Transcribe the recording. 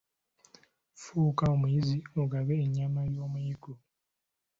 Fuuka omuyizzi ogabe ennyama y'omuyiggo.